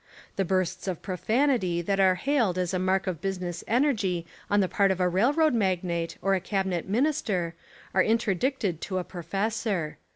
The bursts of profanity that are hailed as a mark of busi ness energy on the part of a railroad magnate or a cabinet minister are interdicted to a pro fessor.